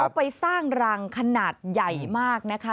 เขาไปสร้างรังขนาดใหญ่มากนะคะ